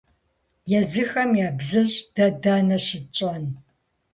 Езыхэм ябзыщӀ, дэ дэнэ щытщӀэн?